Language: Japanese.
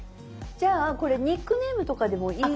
じゃあこれニックネームとかでもいい話？